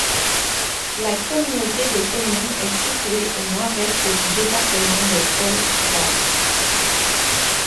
La communauté de communes est située au nord-est du département des Hautes-Alpes.